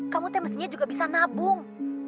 kamu temen temen juga bisa nabung